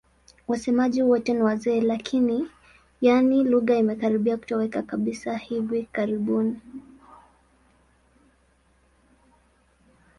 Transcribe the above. Wasemaji wote ni wazee lakini, yaani lugha imekaribia kutoweka kabisa hivi karibuni.